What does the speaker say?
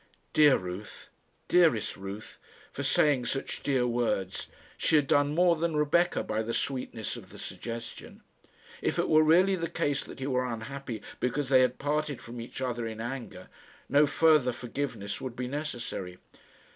Dear Ruth! Dearest Ruth, for saying such dear words! She had done more than Rebecca by the sweetness of the suggestion. If it were really the case that he were unhappy because they had parted from each other in anger, no further forgiveness would be necessary.